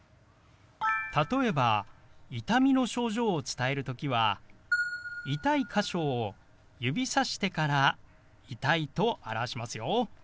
例えば痛みの症状を伝える時は痛い箇所を指さしてから「痛い」と表しますよ。